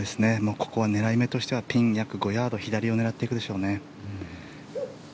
ここは狙い目としてはピン約５ヤード左を狙っていくでしょうね。